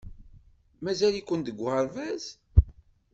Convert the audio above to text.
Mazal-iken deg uɣerbaz?